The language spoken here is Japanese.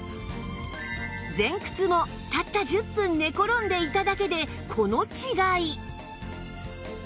前屈もたった１０分寝転んでいただけでこの違い！